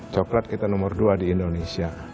coklat kita nomor dua di indonesia